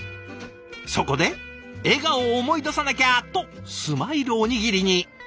そこで「笑顔を思い出さなきゃ！」とスマイルおにぎりに。